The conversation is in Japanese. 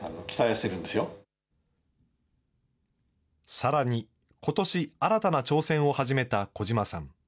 さらにことし、新たな挑戦を始めた児嶋さん。